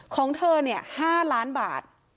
ของเธอ๕ล้านบาท